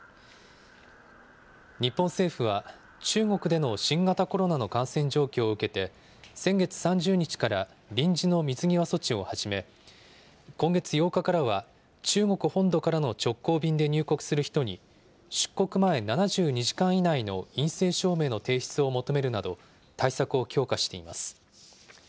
日本政府は、中国での新型コロナの感染状況を受けて、先月３０日から臨時の水際措置を始め、今月８日からは、中国本土からの直行便で入国する人に、出国前７２時間以内の陰性証明の提出を求めるなど、対策を強化しています。